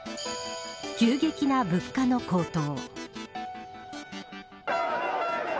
急激な物価の高騰。